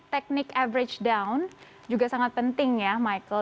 teknik average down juga sangat penting ya michael